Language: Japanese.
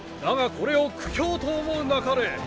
だがこれを苦境と思うなかれ。